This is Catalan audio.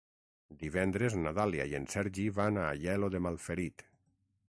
Divendres na Dàlia i en Sergi van a Aielo de Malferit.